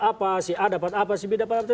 apa si a dapat apa si b dapat